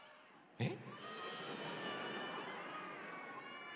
えっ。